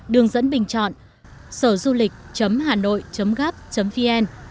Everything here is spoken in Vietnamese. đường dẫn bình chọn sởdulic hanoi gov vn